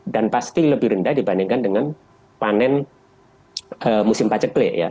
dan pasti lebih rendah dibandingkan dengan panen musim pacekli ya